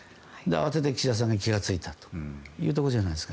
慌てて岸田さんが気が付いたというところだと思います。